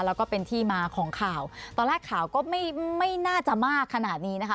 แล้วก็เป็นที่มาของข่าวตอนแรกข่าวก็ไม่ไม่น่าจะมากขนาดนี้นะคะ